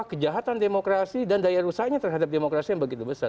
kejahatan demokrasi dan daya rusaknya terhadap demokrasi yang begitu besar